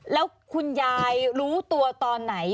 แล้วคุณยายรู้ตัวตอนไหน